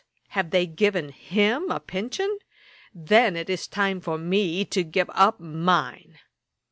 have they given him a pension? Then it is time for me to give up mine.'